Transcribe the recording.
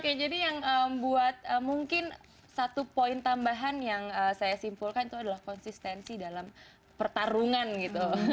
oke jadi yang buat mungkin satu poin tambahan yang saya simpulkan itu adalah konsistensi dalam pertarungan gitu